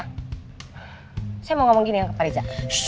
hai saya mau ngomong gini yang kepar aja